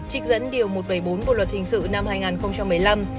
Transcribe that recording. trích dẫn điều một trăm bảy mươi bốn bộ luật hình sự năm hai nghìn một mươi năm